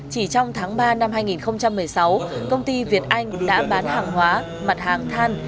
chỉ trong tháng ba năm hai nghìn một mươi sáu công ty việt anh đã bán hàng hóa mặt hàng than